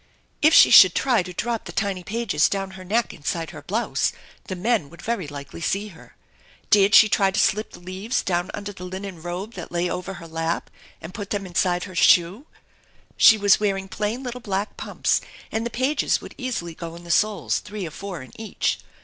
If she should try to drop the tiny pages down her neck inside her blouse, the men would very likely see her. Dared she try to slip the leaves down under the linen robe that lay over her lap and put them inside her shoe? She was wearing plain little black pumps, and the pages would easily go in the soles, three or four in each.